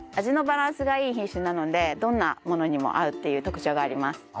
味のバランスがいい品種なのでどんなものにも合うっていう特徴があります。